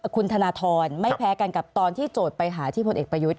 คุณธนทรไม่แพ้กันกับตอนที่โจทย์ไปหาที่พลเอกประยุทธ์